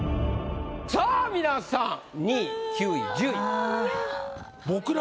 さぁ皆さん２位９位１０位。